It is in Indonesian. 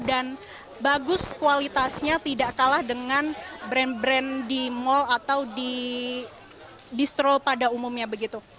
dan bagus kualitasnya tidak kalah dengan brand brand di mall atau di distro pada umumnya begitu